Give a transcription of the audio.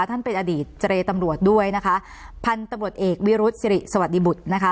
ท่านเป็นอดีตเจรตำรวจด้วยนะคะพันธุ์ตำรวจเอกวิรุธสิริสวัสดิบุตรนะคะ